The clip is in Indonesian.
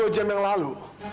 dua jam yang lalu